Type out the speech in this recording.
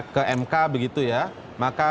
ke mk begitu ya maka